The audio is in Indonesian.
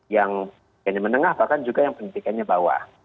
yang menengah bahkan juga yang pendidikannya bawah